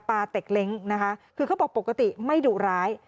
เต็กเล้งนะคะคือเขาบอกปกติไม่ดุร้าย